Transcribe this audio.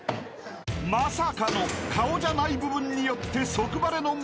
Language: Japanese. ［まさかの顔じゃない部分によって即バレの松尾］